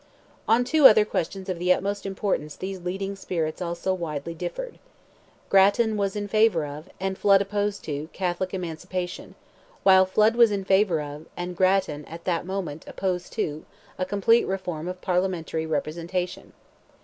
On two other questions of the utmost importance these leading spirits also widely differed. Grattan was in favour of, and Flood opposed to, Catholic emancipation; while Flood was in favour of, and Grattan, at that moment, opposed to, a complete reform of parliamentary representation.